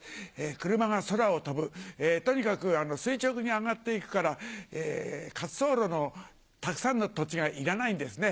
車が空を飛ぶとにかく垂直に上がっていくから滑走路のたくさんの土地がいらないんですね。